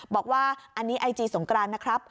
บอกว่าอันนี้ไอจีสงกรานนะครับ